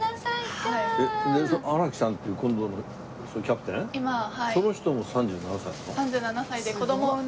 荒木さんっていう今度のキャプテンその人も３７歳なの？